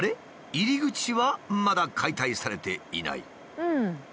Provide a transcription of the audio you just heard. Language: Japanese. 入り口はまだ解体されていない。